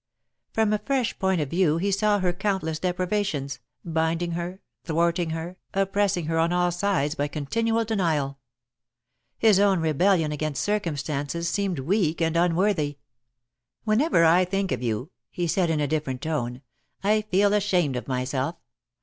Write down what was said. From a fresh point of view he saw her countless deprivations, binding her, thwarting her, oppressing her on all sides by continual denial. His own rebellion against circumstances seemed weak and unworthy. "Whenever I think of you," he said, in a different tone, "I feel ashamed of myself.